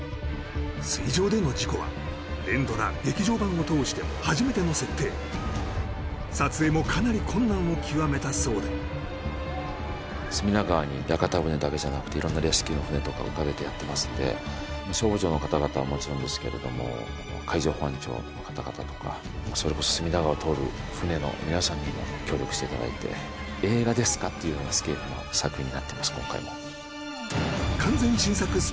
水上での事故は連ドラ劇場版を通しても初めての設定撮影もかなり困難を極めたそうで隅田川にとか浮かべてやってますんで消防庁の方々はもちろんですけれども海上保安庁の方々とかそれこそ隅田川を通る船の皆さんにも協力していただいてていうようなスケールの作品になってます